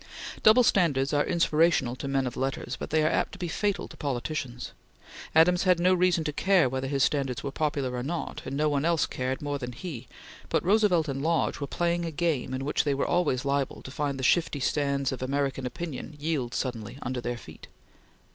Double standards are inspiration to men of letters, but they are apt to be fatal to politicians. Adams had no reason to care whether his standards were popular or not, and no one else cared more than he; but Roosevelt and Lodge were playing a game in which they were always liable to find the shifty sands of American opinion yield suddenly under their feet.